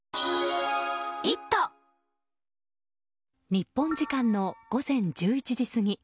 日本時間の午前１１時過ぎ